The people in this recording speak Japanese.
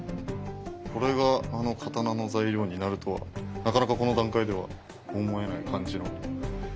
これがあの刀の材料になるとはなかなかこの段階では思えない感じの。